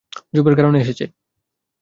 জুপের কারণে এসেছে।